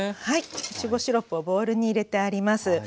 はいいちごシロップをボウルに入れてあります。